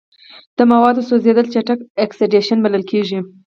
د موادو سوځیدل چټک اکسیدیشن بلل کیږي.